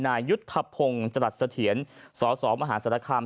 นายยุทธพงศ์จตรัสเถียนสสมหาศรษฐครรม